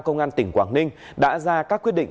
công an tỉnh quảng ninh đã ra các quyết định